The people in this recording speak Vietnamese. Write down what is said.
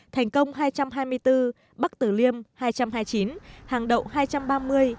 thành công hai trăm hai mươi bốn bắc tử liêm hai trăm hai mươi chín hàng đậu hai trăm ba mươi